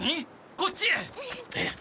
こっちへ。